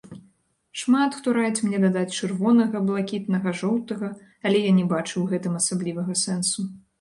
Шмат хто раіць мне дадаць чырвонага-блакітнага-жоўтага, але я не бачу ў гэтым асаблівага сэнсу.